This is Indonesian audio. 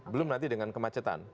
belum nanti dengan kemacetan